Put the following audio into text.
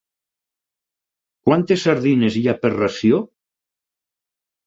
Quantes sardines hi ha per ració?